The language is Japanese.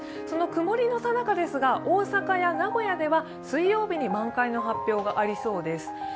その曇りのさなかですが、大阪や名古屋では水曜日に満開の発表がありそうです。